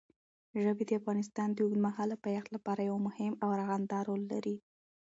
ژبې د افغانستان د اوږدمهاله پایښت لپاره یو مهم او رغنده رول لري.